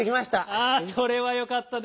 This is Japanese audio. あそれはよかったです。